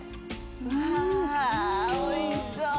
うわおいしそう。